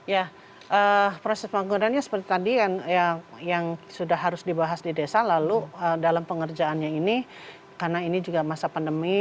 ya proses pembangunannya seperti tadi yang sudah harus dibahas di desa lalu dalam pengerjaannya ini karena ini juga masa pandemi